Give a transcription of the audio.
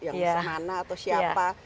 mana atau siapa